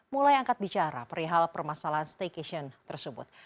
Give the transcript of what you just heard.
mulai angkat bicara perihal permasalahan staycation tersebut